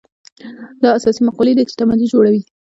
دا اساسي مقولې دي چې تمدن جوړوي.